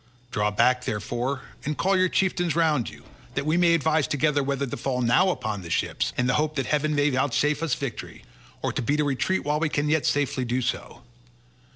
Draw back, therefore, and call your chieftains round you, that we may advise together whether to fall now upon the ships in the hope that heaven may vouchsafe us victory, or to beat a retreat while we can yet safely do so.